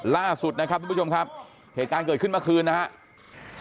ล่าสุดนะครับทุกผู้ชมครับเหตุการณ์เกิดขึ้นเมื่อคืนนะครับ